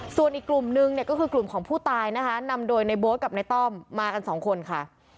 ส่วนอีกกลุ่มนึงเนี่ยก็คือกลุ่มของผู้ตายนะคะนำโดยในโบ๊ทกับในต้อมมากันสองคนค่ะ